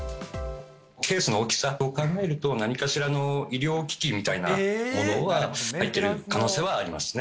ケースの大きさを考えると、何かしらの医療機器みたいなものが入っている可能性かありますね。